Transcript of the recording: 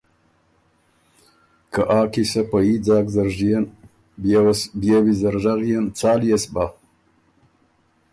که آ قیصۀ پۀ يي ځاک زر ژيېن بيې وه سُو بيې ویزر ژغيېن، څال يې سو بۀ؟